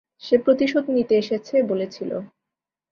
সে প্রতিশোধ নিতে এসেছে বলেছিল।